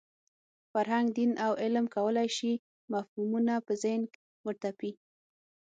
فرهنګ، دین او علم کولای شي مفهومونه په ذهن وتپي.